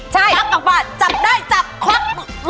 จับได้จับคลักลุ๊ก